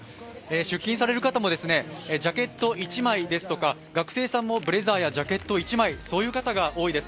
出勤される方もジャケット１枚ですとか学生さんもブレザーやジャケット１枚という方が多いです。